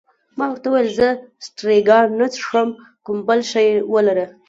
ما ورته وویل: زه سټریګا نه څښم، کوم بل شی ولره.